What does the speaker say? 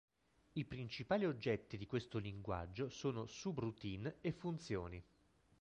I principali oggetti di questo linguaggio sono "subroutine" e funzioni.